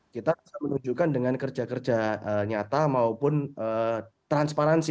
kita bisa menunjukkan dengan kerja kerja nyata maupun transparansi